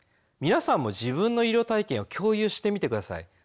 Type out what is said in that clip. みなさんも自分の医療体験を共有してみてください。